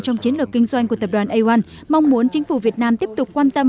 trong chiến lược kinh doanh của tập đoàn aom mong muốn chính phủ việt nam tiếp tục quan tâm